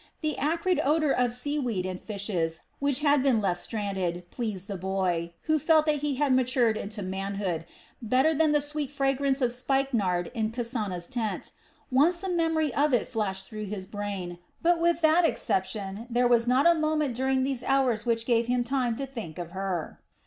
The acrid odor of the sea weed and fishes which had been left stranded pleased the boy, who felt that he had matured into manhood, better than the sweet fragrance of spikenard in Kasana's tent. Once the memory of it flashed through his brain, but with that exception there was not a moment during these hours which gave him time to think of her.